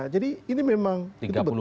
jadi ini memang betul